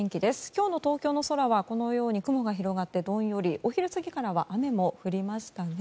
今日の東京の空はこのように雲が広がってどんよりお昼過ぎからは雨も降りましたね。